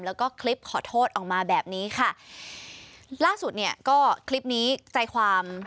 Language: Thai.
แล้วก็คลิปขอโทษออกมาแบบนี้ค่ะ